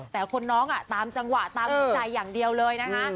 แต่คนน้องตามจังหวะตามหัวใจอย่างเดียวเลยนะคะ